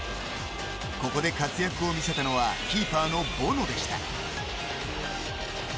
ここで活躍を見せたのはキーパーのボノでした。